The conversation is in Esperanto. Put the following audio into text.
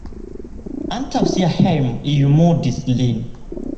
Antaŭ sia hejmo iu murdis lin.